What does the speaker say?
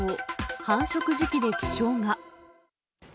繁殖時期で気性が。